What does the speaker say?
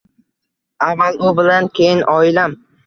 Avval u bilan keyin oilam